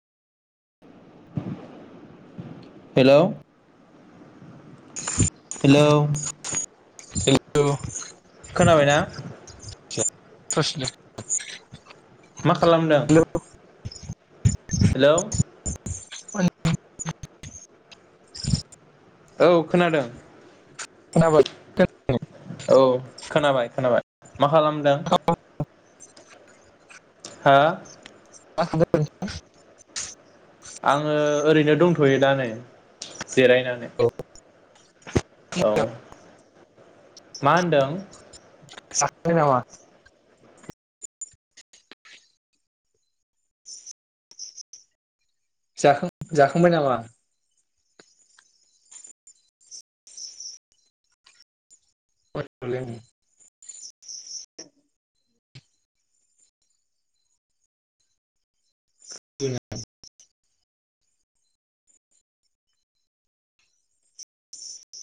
हेल'। Hello. खोनाबायना hello. माथो खालामदों। हेल'। औ खोनादों। खोनाबाय। औ खोनाबाय खोनाबाय मा खालामदों। हा। मा खालामदों? [inaudible] आङो ओरैनो दंथ'यो दा नै जिरायनानै। औ मा होनदों? जाखांबाय नामा? जाखां जाखांबाय नामा? [inaudible] [inaudible]